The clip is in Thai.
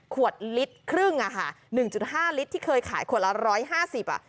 ขวดลิตรครึ่งอ่ะฮะหนึ่งจุดห้าลิตรที่เคยขายขวดละร้อยห้าสิบอ่ะ